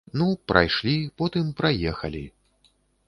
Ну прайшлі, потым праехалі.